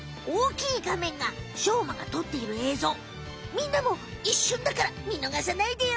みんなもいっしゅんだから見のがさないでよ！